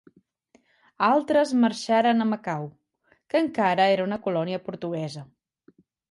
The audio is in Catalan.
Altres marxaren a Macau, que encara era una colònia portuguesa.